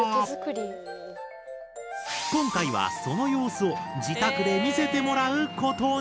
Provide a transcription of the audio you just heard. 今回はその様子を自宅で見せてもらうことに！